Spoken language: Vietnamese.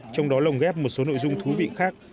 trong đó lồng ghép một số nội dung thú vị khác